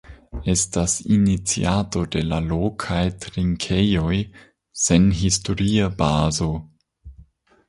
Estas iniciato de la lokaj trinkejoj sen historia bazo.